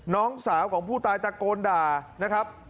น้องสาวของผู้ตายตะโกนด่านะครับ